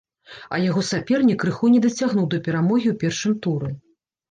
А яго сапернік крыху не дацягнуў да перамогі ў першым туры!